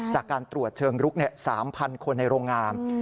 จากการตรวจเชิงลุก๓๐๐คนในโรงงาน